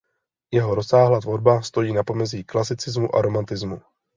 Jeho rozsáhlá tvorba stojí na pomezí klasicismu a romantismu.